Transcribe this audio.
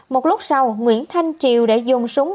một lúc sau nguyễn thanh triều đã dùng súng